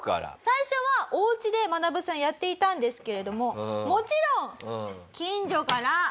最初はおうちでマナブさんやっていたんですけれどももちろん。